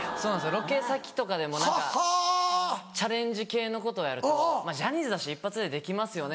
ロケ先とかでも何かチャレンジ系のことをやると「ジャニーズだし一発でできますよね」